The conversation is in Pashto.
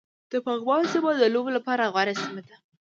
د پغمان سيمه د لوبو لپاره غوره سيمه ده